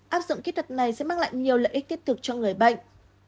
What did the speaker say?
áp dụng kỹ thuật này sẽ mang lại nhiều lợi ích thiết thực cho người bệnh